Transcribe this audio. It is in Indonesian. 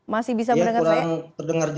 masih bisa mendengar saya